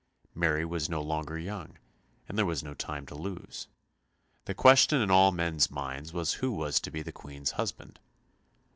Mary was no longer young and there was no time to lose. The question in all men's minds was who was to be the Queen's husband.